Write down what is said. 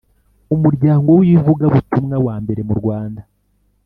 umuryango w’ivugabutumwa wa mbere mu rwanda